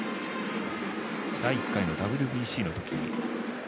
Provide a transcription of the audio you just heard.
第１回のＷＢＣのときに